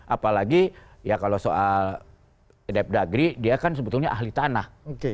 apalagi kalau soal dep degri dia kan sebetulnya ahli tanah